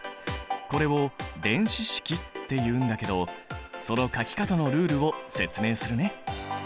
これを電子式っていうんだけどその書き方のルールを説明するね。